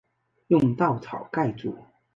用稻草盖著